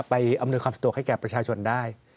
อำนวยความสะดวกให้แก่ประชาชนได้